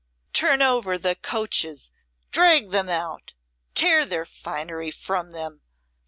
"Turn over the coaches! Drag them out! Tear their finery from them!